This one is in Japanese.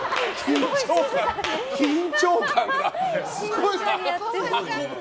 緊張感がすごいですよ。